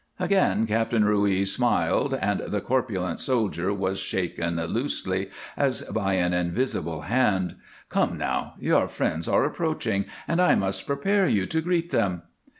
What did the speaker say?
Again Captain Ruiz smiled, and the corpulent soldier was shaken loosely as by an invisible hand. "Come now! Your friends are approaching and I must prepare you to greet them."